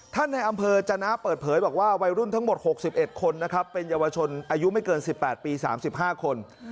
ในอำเภอจนะเปิดเผยบอกว่าวัยรุ่นทั้งหมด๖๑คนนะครับเป็นเยาวชนอายุไม่เกิน๑๘ปี๓๕คน